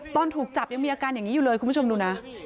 ตอนถูกจับยังมีอาการอย่างนี้อยู่เลยคุณผู้ชมดูนะ